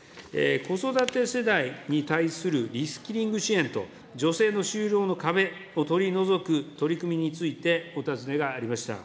子育て世代に対するリスキリング支援と女性の就労の壁を取り除く取り組みについてお尋ねがありました。